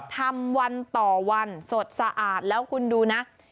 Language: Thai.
ทำวันต่อวันสดสะอาดแล้วคุณดูนะ